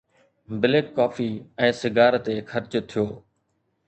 Black coffee ۽ cigar تي خرچ ٿيو.